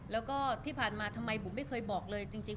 แล้วก็ที่ผ่านมาทำไมบุ๋มไม่เคยบอกเลยจริง